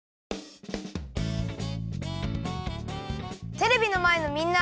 テレビのまえのみんな！